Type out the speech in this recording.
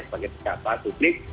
sebagai pejabat publik